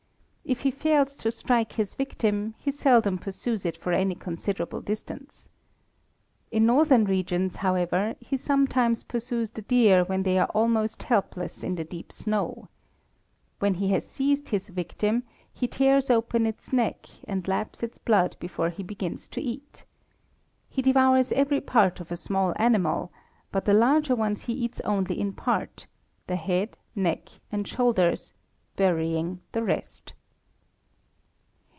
If he fails to strike his victim, he seldom pursues it for any considerable distance. In northern regions, however, he sometimes pursues the deer when they are almost helpless in the deep snow. When he has seized his victim, he tears open its neck, and laps its blood before he begins to eat. He devours every part of a small animal, but the larger ones he eats only in part the head, neck, and shoulders burying the rest.